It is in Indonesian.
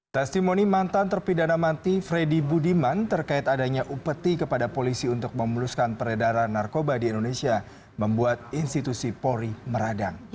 testimoni mantan terpidana mati freddy budiman terkait adanya upeti kepada polisi untuk memuluskan peredaran narkoba di indonesia membuat institusi polri meradang